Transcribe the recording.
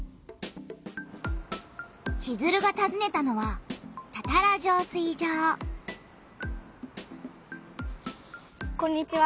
チズルがたずねたのはこんにちは。